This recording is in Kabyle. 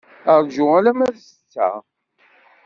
Rju alamma d ssetta.